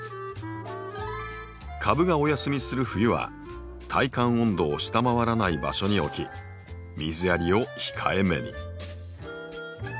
株がお休みする冬は耐寒温度を下回らない場所に置き水やりを控えめに。